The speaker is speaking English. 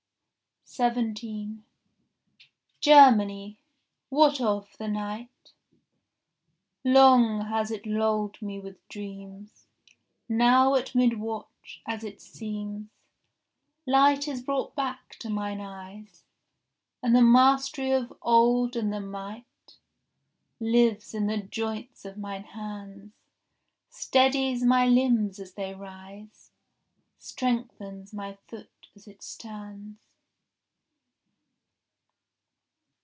17 Germany, what of the night?— Long has it lulled me with dreams; Now at midwatch, as it seems, Light is brought back to mine eyes, And the mastery of old and the might Lives in the joints of mine hands, Steadies my limbs as they rise, Strengthens my foot as it stands.